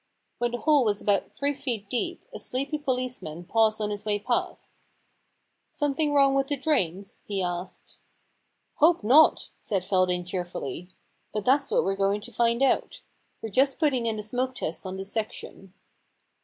When the hole was about three feet deep a sleepy policeman paused on his way past. * Something wrong with the drains ?* he asked. * Hope not,* said Feldane cheerfully. * But 150 The Impersonation Problem that's what we're going to find out. We're just putting in the smoke test on this section.'